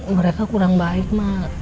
mereka kurang baik emak